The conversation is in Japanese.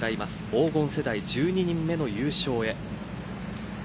黄金世代１２人目の優勝へ。